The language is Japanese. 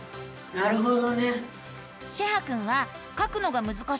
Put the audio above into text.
なるほど。